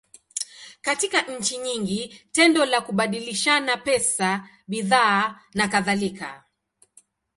Katika nchi nyingi, tendo la kubadilishana pesa, bidhaa, nakadhalika.